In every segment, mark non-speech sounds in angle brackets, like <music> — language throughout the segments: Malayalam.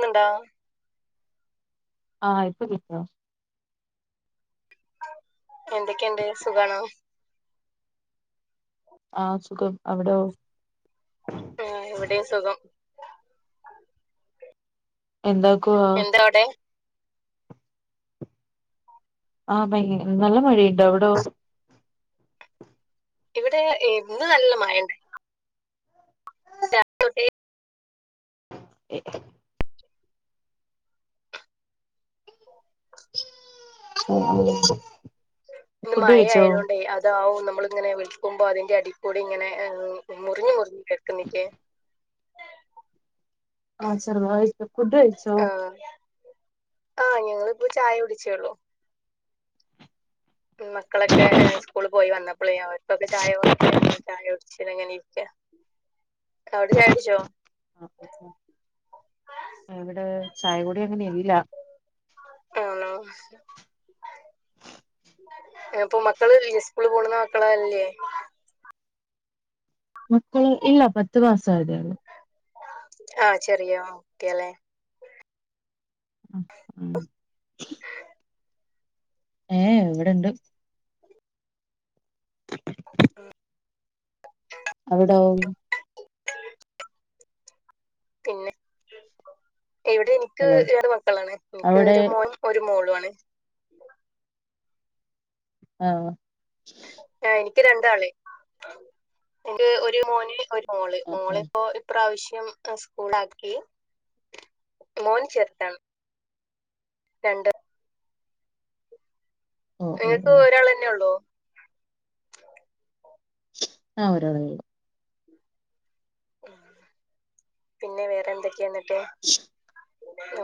ന്ന് ണ്ടോ ആഹ് ഇപ്പൊ കിട്ട എന്തൊക്കെണ്ട് സുഖാണോ ആഹ് സുഖം അവിടൊ ആ ഹ് ഇവിടെ സുഖം എന്താക്കുവാ എന്താ അവിടെ ആഹ് ഭയ നല്ല മഴയുണ്ട് അവിടൊ ഇവിടെ എഹ് ഇന്ന്നല്ല മഴ ണ്ട് <unintelligible> <unintelligible> ആഹ് ആഹ് ഇന്ന് മഴ ആയതുകൊണ്ടേ ഹസ് ഇതാവും നമ്മളിങ്ങനെ വിൽക്കുമ്പോ അതിന്റെ അടീക്കൂടി ഇങ്ങനെ ഏഹ് മുറിഞ്ഞ് മുറി എപ്പണീറ്റേ ആഹ് ചെറുതായിട്ട് ഫുഡ് കഴിച്ചോ ആഹ് ആഹ് ഞങ്ങളിപ്പോ ചായ കുടിച്ചേള്ളൂ മക്കളൊക്കെ ഏഹ് സ്കൂളി പോയി വന്നപ്പളേ അവർക്കൊക്കെ ചായ കൊട്ത്ത് ഞങ്ങള് ചായ കുടിച്ചങ്ങനെ ഇരിക്ക അവിടെ ചായുടിച്ചോ ആഹ് ആഹ് ആഹ് ആഹ് ഇവിടെ ചായകുടി അങ്ങനെ ഇല്ല ആണോ പ്പൊ മക്കള് ല്ലേ സ്കൂള് പോണുന്ന മക്കളല്ലേ മക്കള് ഇല്ല പത്ത് മാസായാതെ ഉളളൂ ആഹ് ചെറിയോ ഒക്കെ അല്ലേ ഉം ഉം ഏഹ് എവിട്ണ്ട് <unintelligible> അവിടോ പിന്നെ ഇവിടെ എനിക്ക് ഹലോ <unintelligible> മക്കളാണ് എനിക്ക് അവിടെ ഒരു മോൻ ഒരു മോളുവാണ് ആഹ് ആഹ് എനിക്ക് രണ്ടാള് എക്ക് ഒരു മോന് ഒരു മോള് ആഹ് ആഹ് മോളിപ്പോ പ്രാവശ്യം ആഹ് സ്കൂളാക്കി മോൻ ചെർതാണ് രണ്ട് ഓഹ് ഓഹ് നിങ്ങൾക്ക് ഓഹ് ഒരാളന്നേയുള്ളൂ ആഹ് ഒരാളൊള്ളൂ ഉം പിന്നെ വേറെ എന്തൊക്കെയാന്നിട്ട്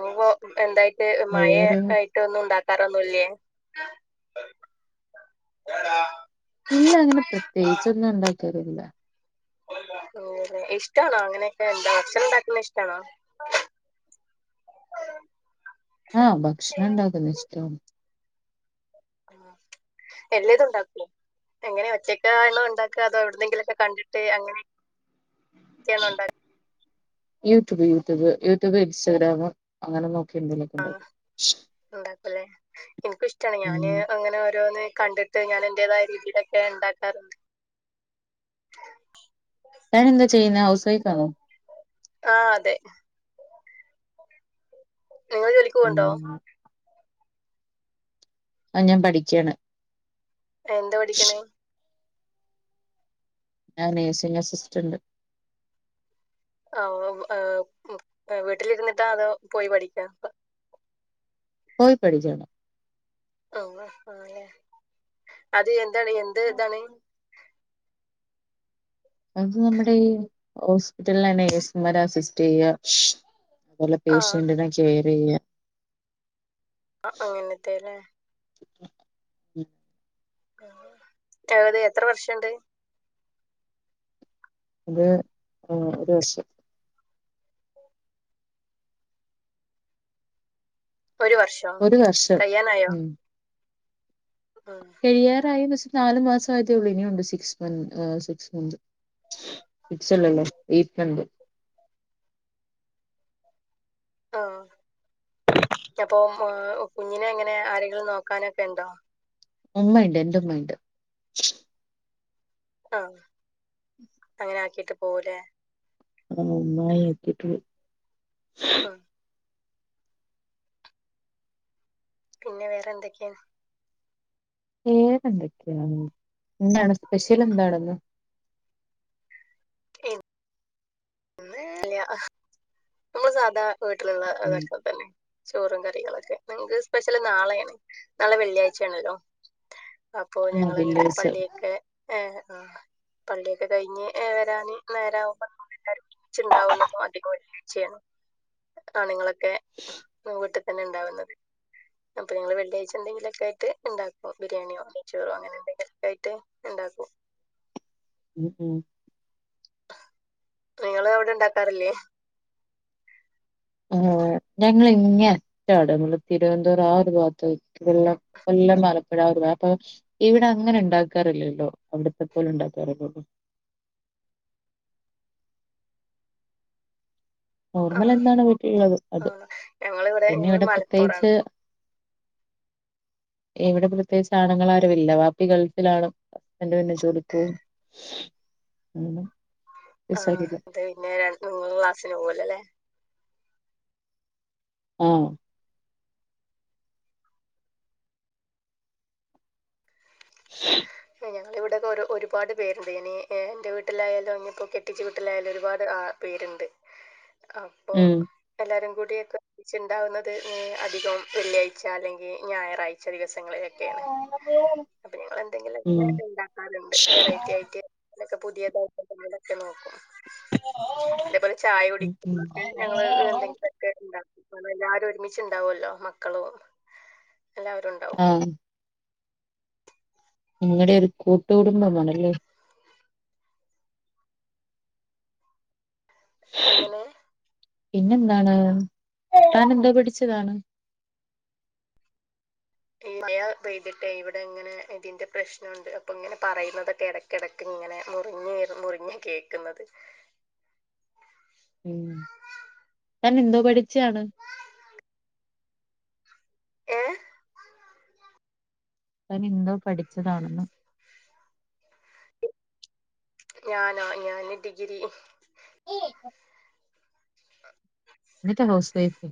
നിപ്പോ എന്തായിട്ട് മയ വേറെ <unintelligible> ട്ടൊന്നും ഉണ്ടാക്കാറൊന്നുവില്ലേ <unintelligible> ഇല്ല അങ്ങനെ പ്രത്യേകിച്ചൊന്നും ഉണ്ടാക്കാറില്ല ഓഹ് ഇഷ്ടാണോ അങ്ങനെയൊക്കെ എന്താ വെച്ചുണ്ടാക്കണ ഇഷ്ടാണോ ആഹ് ഭക്ഷണം ഉണ്ടാക്കുന്ന ഇഷ്ടാണ് ആഹ് എല്ലാതും ഉണ്ടാക്കും എങ്ങനെ ഒച്ചക്കാണോ ഉണ്ടാക്കുക അതോ എവിടെന്നെങ്കിലൊക്കെ കണ്ടിട്ട് അങ്ങനെ ച്ചയാണോ ഉണ്ടാ യൂട്യൂബ് യൂട്യൂബ് യൂട്യൂബ് ഇൻസ്റ്റാഗ്രാമ് അങ്ങനെ നോക്കി എന്തേലുമൊക്കെ ഉണ്ടാക്കും ഉണ്ടാക്കുംല്ലേ എനിക്കുഷ്ടാണ് ഞാന് അങ്ങനെ ഓരോന്ന് കണ്ടി ട്ട് ഞാനെന്റെതായ രീതിലൊക്കെ ഇണ്ടാക്കാറുണ്ട് താനെന്താ ചെയ്യുന്നേ ഹൗസ് വൈഫാണോ ആഹ് അതെ നിങ്ങള് ജോലിക്ക് പോണുണ്ടോ ഉം ആഹ് ഞാൻ പഠിക്കാണ് എന്താ പഠിക്കണേ ഞാൻ നേഴ്സിംഗ് അസിസ്റ്റന്റ് ആഹ് ആഹ് വീട്ടിലിരുന്നിട്ടാ അതോ പോയി പഠിക്കാ <unintelligible> പോയി പഠിക്കാണ് ആഹ് ആല്ലെ അത് എന്താണ് എന്ത് ഇതാണ് അത് നമ്മുടെ ഈ ഹോസ്പിറ്റലിലാണെ നഴ്സുമാരെ അസിസ്റ്റ് ചെയ്യുക അതുപോലെ ആഹ് പേഷ്യന്റിനെ കെയറ് ചെയ്യുക ആഹ് അങ്ങനത്തെല്ലേ അത് എത്ര വർഷംണ്ട് അത് ഒരു വശം ഒരു വർഷം ഒരു വർഷം കയ്യാനായോ ഉം കഴിയാറായന്ന് വെച്ചാൽ നാലല് മാസം ആതേ ഉള്ളൂ ഇനിയുണ്ട് സിക്സ്ന്ത് സി മന്ത് സിക്സല്ലല്ലേത്ണ്ട് ആഹ് അപ്പൊ കുഞ്ഞിനെ എങ്ങനെ ആരെങ്കിലും നോക്കാനൊക്കെ ഉണ്ടോ ഉമ്മ ഉണ്ട് എന്റെ ഉമ്മ ഉുണ്ട് ആഹ് അങ്ങനെ ആക്കിട്ട് പോലെ ആഹ് ഒന്നായി എത്തീട്ടൊള്ളു. ഉം പിന്നെ വേറെ എന്തൊക്കെയാ. വേറെ എന്തൊക്കെയാ എന്താണ് സ്പെഷ്യല് എന്താണ്ന്ന്. ഉം. ല്ല്യാഹ് നമ്മള് സാധാ വീട്ടില്ള്ള ഉം അതൊക്കെ തന്നെ. ചോറും കറികളൊക്കെ നങ്ങക്ക് സ്പെഷ്യല് നാളേണ് നാളെ വെള്ളിയാഴ്ചാണല്ലോ. അപ്പൊ ആ ഞങ്ങളങ്ങനെ വെള്ളിയാഴ്ച പള്ളിയൊക്കെ ഏഹ് ആഹ്. പള്ളിയൊക്കെ കഴിഞ്ഞ് ഏഹ് വരാന് നേരകുമ്പോ നമ്മളെല്ലാരും ഒരുമിച്ചുണ്ടാവുന്നതും അധികൊല്ലേ. ആണ് നിങ്ങളൊക്കെ വീട്ടിൽ തന്നെ ഉണ്ടാവുന്നത് അപ്പൊ നിങ്ങള് വെള്ളിയാഴ്ച എന്തെിലൊക്കെയിട്ട് ഉണ്ടാക്കോ ബിരിയാണിയോ മച്ചൂറോ അങ്ങനെ എന്തെങ്കിലൊക്കെയിട്ട് ഉണ്ടാക്കും ഉം ഉം. നിങ്ങള് അവിടെ ണ്ടാക്കാറില്ലേ. ആഹ് ഞങ്ങളിങ്ങെ അറ്റാടാങ്ങള് തിരുവനന്തപുരം ആഹ് ഒരു ഭാത്താ വെക്കതെല്ലാം. കൊല്ലം മലപ്പുഴ ആഹ് ഒരു വാത്തോ. ഇവിടെ അങ്ങനെ ഉണ്ടാക്കാറില്ലല്ലോ അവിടത്തെ പോലെ ഉണ്ടാക്കാറില്ലല്ലോ. ആഹ് നോർമലെന്താണ് വീട്ടിലുള്ളത് അത് ആഹ് ഞങ്ങളിവിടെ പിന്നെ ഞങ്ങള് ഇവിടെ മലപ്പുറാണ് പ്രത്യേകിച്ച്. എവിടെ പ്രത്യേകിച്ച് ആണ്ങ്ങളാരുവില്ല വാപ്പി ഗൾഫിലാണ്. ന്റ് പിന്നെ ജോലിക്കോവും ഉം. ആഹ് ത് കയിഞ്ഞാ ര ഇങ്ങള് ക്ലാസ്സിന് പോവോലൊല്ലേ. ആഹ്. <inaudible> ഞങ്ങളിവിടെയക്കെ ഒരു ഒരുപാട് പേരുണ്ട് എനി എൻ്റെ വീട്ടിലായാലും ങ്ങിപ്പൊ കെട്ടിച്ച വീട്ടിലായാലും ഒരുപാട് ആ <inaudible> ആഹ് ഉം. എല്ലാരും കൂടിയൊക്കെ ച്ചുണ്ടാകുന്നത് ഹ് അധികം വെള്ളിയാഴ്ച അല്ലെങ്കി ഞായറാഴ് ച്ച ദിവസങ്ങളിലൊക്കേണ് അപ്പൊ ഞങ്ങളെന്തെങ്കിലൊ ക്കെ ഉം ണ്ടാക്കാറ്ണ്ട് വെറൈറ്റി ആയിറ്റ് അങ്ങനൊക്കെ പുതിയതായിട്ട് എന്തേലൊക്കെ നോക്കും. അതേപോലെ ചായ ഉം ഉം കുടിക്കുമ്പളൊക്കെ ഞങ്ങള് എന്തെങ്കിലൊക്കെണ്ടാക്കും. പ്പ നമ്മളെല്ലാരും ഒരുമിച്ച്ണ്ടാവൊല്ലോ മക്കളും എല്ലാരും. ആഹ്. നിങ്ങടെ ഒരു കൂട്ടു കുടുംബമാണല്ലേ. എങ്ങനെ. പിന്നെന്താണ് താനെന്തോ പഠിച്ചതാണ്. ഈ മയ പെയ്തിട്ടേ ഇവിടെ ഇങ്ങനെ ഇതിന്റെ പ്രശ്നൊണ്ട് അപ്പൊ ഇങ്ങനെ പറയുന്നതൊക്കെ എടക്ക്‌. കെടക്കിങ്ങനെ മുറിഞ്ഞ് മുറിഞ്ഞാ കേക്കുന്നത്. ഉം താനെന്തോ പഠിച്ചാണ്. <inaudible> ഏഹ്. താനെന്തോ പഠിച്ചതാണെന്ന്. ഞാനോ ഞാന് ഡിഗിരി. <inaudible> ന്ന്ട്ടാ house wife.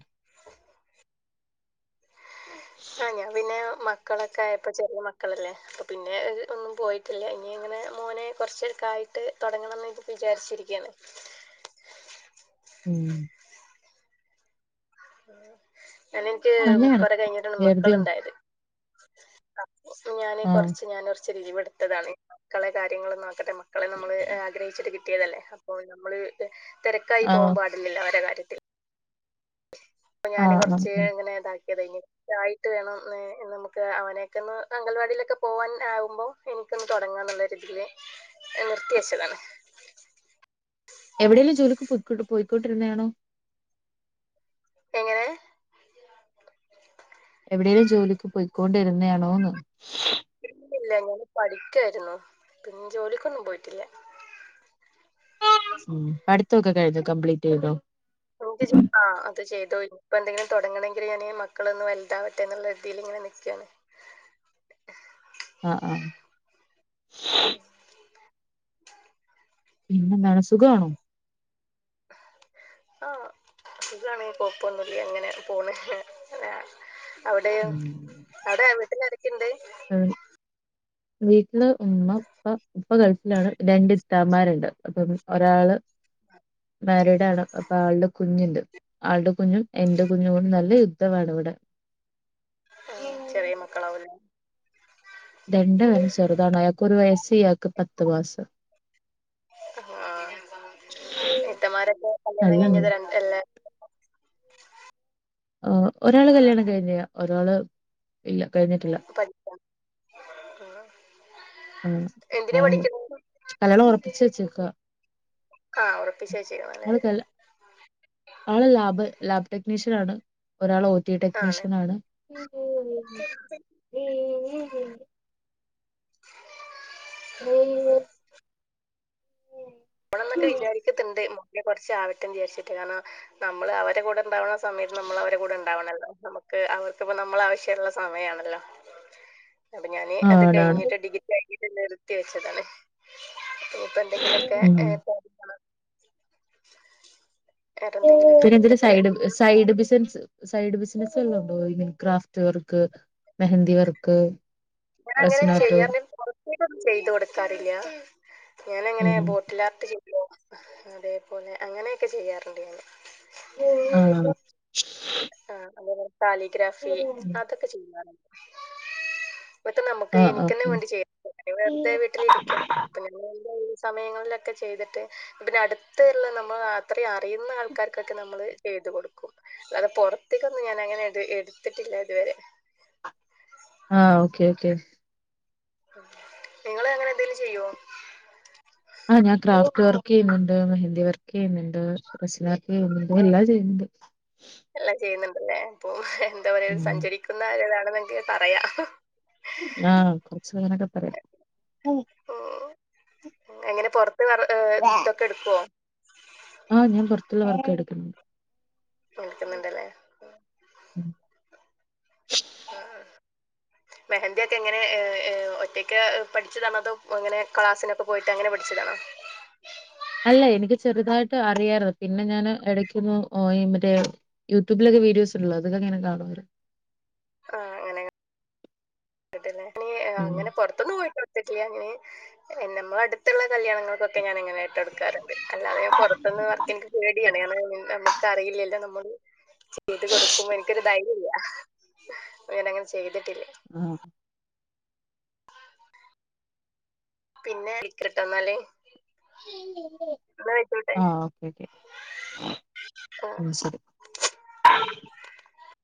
ആഹ് ഞാം പിന്നെ മക്കളൊക്കെ ആയപ്പോ ചെറിയ മക്കളല്ലേ. അപ്പ പിന്നെ ഒന്നും പോയിട്ടില്ലേ ഇനി അങ്ങനെ മോനെ കൊറച്ചൊക്കായിട്ട് തൊടങ്ങണം ന്ന് വിചാരിച്ചിരിക്ക്യാണ്. ഉം. ഞാനെനിക്ക് നല്ലയാണ് കൊറെ കഴിഞ്ഞിട്ടാണ് വെറുതെ മക്കള് ണ്ടായത്. ഞാന് ആഹ് കൊറച്ച് ഞാകൊറച്ച് ലീവെടുത്തതാണ്. മക്കളെ കാര്യങ്ങള് നോക്കട്ടെ മക്കളെ നമ്മള് ആഗ്രഹിച്ചിട്ട് കിട്ടിയതല്ലേ അപ്പോ നമ്മള് ത് തെരക്കായി ആഹ് പോവാം പാടില്ലല്ലോ അവരെ കാര്യത്തില്. അപ്പൊ ഞാന് ആഹ് ആഹ് റച്ച് ഉം ഇങ്ങനെ ഇതാക്കിയതയ്ന് ആയിട്ട് വേണം നമുക്ക് അവനൊക്കെ ഒന്ന് അംഗൽവാടിയിലൊക്കെ പോവാനാകുമ്പോ എനിക്കൊന്ന് തുടങ്ങാ എന്നുള്ളരിതിൽ നിർത്തിവച്ചതാണ് എവിടെയങ്കിലും ജോലിക്ക് പോ പോയിക്കൊണ്ടിരുന്നതണൊ എങ്ങനെ എവിടെേലും ജോലിക്ക് പോയിക്കൊണ്ടിരുന്നതാണോന്ന് ഇല്ലില്ല ഞാന് പഠിക്കേര്ന്നു പിന്നെ ജോലിക്കൊന്നും പോയിട്ടില്ല. ഉമ് പടിത്തൊക്കെ കയിഞ്ഞോ കംപ്ലീറ്റ് യ്തോ എനിക്ക് ആ അത് ചെയ്തോ ഇനിപ്പോ ന്തെങ്കിലും തുടങ്ങണമെങ്കിൽ ഞാന്ൻ മക്കളൊന്നന്ന് വലുതാവട്ടെ എന്നുള്ള രീതിയിൽ ഇങ്ങനെ നിൽക്കുവാണ്. ആഹ് ആഹ് പിന്നെന്താണ് സുഖാണോ ആഹ് സുഖാണ് കൊയപ്പൊന്നുമില്ല അങ്ങനെ പോന്‌ ആഹ് അവിടെ അവിടെ വീട്ടിലാരൊക്കെയുണ്ട് മ് വീട്ടില് ഉമ്മ ഇപ്പ ഇപ്പ ഗൾഫിലാണ് രണ്ടിത്താമാരുണ്ട് അപ്പം ഒരാള് മാരീഡ് ആണ് അപ്പൊ ആളുടെ കുഞ്ഞുണ്ട് ആളുടെ കുഞ്ഞും എന്റെ കുഞ്ഞു കൊണ്ട് നല്ല യുദ്ധണ വിടെ ആഹ് ചെറിയ മക്കളാവും ലെ രണ്ടു പെരും ചെറുതാണ് അയാക്ക് ഒരു വയസ് ഇയാൾക്ക് പത്ത് മാസം ആഹ് ഇത്തമാരൊക്കെ കല്യാണം നല്ല കഴിഞ്ഞത് രണ്ട ല്ലാ ആഹ് ഒരാള് കല്യാണം കഴിഞ്ഞ ഒരാള് ഇല്ല കഴിഞ്ഞിട്ടില്ല. പഠിക്ക ആഹ് മ് ആഹ് ആ കല്യാണം ഉറപ്പി വെചെക്കാ ആഹ് ഉറപ്പിച്ചേ ചെയ്യും അല്ലേ ആള് കല് ആള് ലാബ് ലാബ് ടെക്നീഷ്യനാണ് ഒരാൾ ഓ ടി ആണ് ടെക്നീഷ്യനാണ്. <inaudible> ണം ന്നൊക്കെ വിചാരിക്കത്തിണ്ട് മോന് കൊറച്ചവട്ടെന്ന് വിചാരിച്ചിട്ട് കാരണം നമ്മള് അവരെ കൂടെ ഉണ്ടാവുന്ന സമയത്ത് നമ്മൾ അവരെടെ കൂടെ ഉണ്ടാവണല്ലോ നമുക്ക് അവർക്ക്പ്പ നമ്മൾ ആവശ്യമുള്ള സ സമയയാണല്ലോ അപ്പൊ ഞാന് അത് ആണാണ് കഴിഞ്ഞിട്ട് ഡിഗ്രി കഴിഞ്ഞിട്ട് നിർത്തി വെച്ചതാണ് ഇപ്പൊ എന്തെങ്കിലൊക്കെ ഉം <unintelligible> പിന്നെ ഇതി side side business side business എല്ലാം ഉണ്ടോ ഇനെ ക്രാഫ്റ്റ് വർക്ക് മെഹന്തി വർക്ക് ഞാൻ അങ്ങനെ റസിനാട്ട് ചെയ്യാറ പൊറത്തേക്കോന്നും ചെയ്ത് കൊടുക്കാറില്ല. ഞാന എങ്ങനെ ഉം ബോട്ടിലാട്ട ചെയ്യോ അതേപോലെ അങ്ങനെയൊക്കെ ചെയ്യാറുണ്ട് ഞൻ ആഹ് ആ്ഹ് അതേപോലെ കാലിഗ്രാഫി അതൊക്കെ ചെയ്യാറുണ്ട്. ഇറ്റം നമുക്ക് ആഹ് ആഹ് എനിക്ക തന്നെ ആഹ് വേണ്ടി ചെയ വെറുതെ വീട്ടിലിരിക്കാൻ സമയങ്ങളിലൊക്കെ ചെയ്തിട്ട് പിന്നെ അടുത്ത എല്ലാം നമ്മൾ അത്രയും അറിയുന്ന ആൾക്കാർക്കൊക്കെ നമ്മള് ചെയ്തു കൊടുക്കും അത് പൊറത്തേക്കൊന്നും ഞാന അങ്ങനെ ത് എടുത്തിട്ടില്ല ഇതുവരെ ആഹ് ഓക്കെ ഓക്കെ നിങ്ങള് അങ്ങനെ ന്തേലും ചെയ്യോ ആഹ് ഞാൻ ക്രാഫ്റ്റ് വർക്ക് യ്യുന്നുണ്ട് മെഹന്ദി വർക്ക് ചെയ്യുന്നുണ്ട് ഉം എല്ലാം ചെയ്യുന്നുണ്ട് എല്ലാം ചെയ്യുന്നുണ്ടല്ലേ അപ്പൊ എന്താ പറയാ ഉം സഞ്ചരിക്കുന്ന ഒരു ഇതാണന്നൊക്കെ പറയാം ആഹ് കൊറച്ചു <unintelligible> നൊക്കെ പറയാ ഉം എങ്ങനെ പൊറത്ത് വേറെ തൊക്കെ എടുക്കുവോ ആഹ് ഞാൻ പൊറത്തുള്ള വർക്ക് എടുക്കുന്നുണ്ട് എടുക്കുന്നുണ്ടല്ലേ <inaudible> മെഹന്ദിയൊക്കെ എങ്ങനെ ഏഹ് ഏഹ് ഒറ്റയ്ക്ക് പഠിച്ചതാണോ അതോ എങ്ങനെ ക്ലാസിനൊക്കെ പോയിട്ട് അങ്ങനെ പഠിച്ചതാണോ. അല്ല എനിക്ക് ചെറുതായിട്ട് അറിയാരുന്നു പിന്നെ ഞാന് ഇടയ്ക്കുന്നു ഓയി മറ്റേ യൂട്യൂബിലൊക്കെ വീഡിയോസ് ഉള്ളെ അതിങ്ങനെ കാണു ആഹ് അങ്ങനെ ഇട്ടിട്ടിണ്ട് എനി ഏഹ് ഉം അങ്ങനെ പൊറത്തൊന്നും പോയിട്ട് ഇട്ടിട്ടില്ല അങ്ങനെ നമ്മളെ അടുത്തുള്ള കല്യാണങ്ങൾക്കൊക്കെ ഞാനങ്ങനെയിട്ട് കൊടുക്കാറണ്ട് അല്ലാതെ ഞാൻ പൊറത്തിന്ന് വർക്ക് പേടിയാണ് <unintelligible> നമുക്ക് അറിയില്ലല്ലോ നമ്മള് ചെയ്ത് കൊടുക്കുമ്പോ എനിക്കൊരു ധൈര്യം ഇല്ല അങ്ങനെ ചെയ്തിട്ടില്ലേ ആഹ് പിന്നെ ഇത്ര തന്നാല് ആഹ് എന്നാ ആയിക്കോട്ടെ ആ ഓക്കെ ആഹ് ഓക്കെ